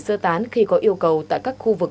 sơ tán khi có yêu cầu tại các khu vực